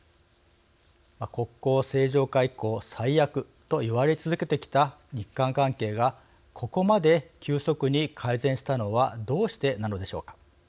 国交正常化以降最悪と言われ続けてきた日韓関係がここまで急速に改善したのはどうしてなのでしょうか。